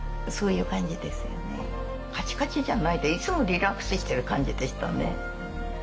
カチカチじゃないでいつもリラックスしてる感じでしたね。